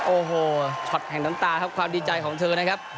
โอ้โหช็อตแห่งน้ำตาครับความดีใจของเธอนะครับ